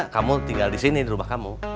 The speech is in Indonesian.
kamu tinggal di sini di rumah kamu